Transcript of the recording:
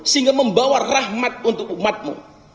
sehingga membawa rahmat untuk umatmu